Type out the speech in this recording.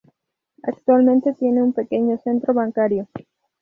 Actualmente tiene un pequeño centro bancario.